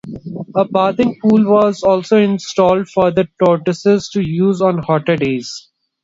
A bathing pool was also installed for the tortoises to use on hotter days.